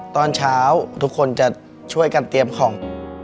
ตอนเช้าทุกคนจะช่วยกันเตรียมของ